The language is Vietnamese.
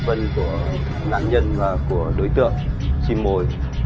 vân của nạn nhân và của đối tượng xin mồi